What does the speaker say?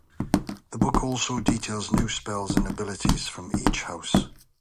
The book also details new spells and abilities from each house.